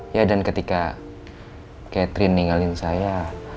ya dan ketika catherine ninggalin saya